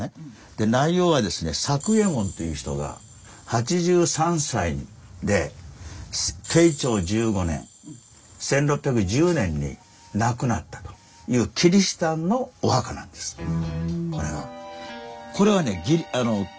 で内容はですね作右衛門という人が８３歳で慶長１５年１６１０年に亡くなったというキリシタンのお墓なんですこれは。